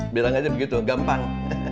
bilang aja begitu gampang